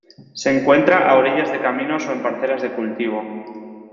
Se encuentra a orillas de caminos o en parcelas de cultivo.